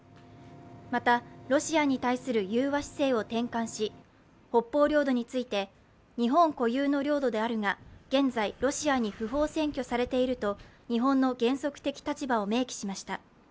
また、ロシアに対する融和姿勢を転換し、北方領土について、日本固有の領土であるが現在ロシアに不法占拠されていると日本の原則的立場を明記しました。